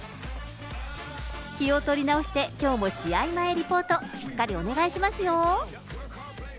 気を取り直して、きょうも試合前リポート、しっかりお願いしますよ。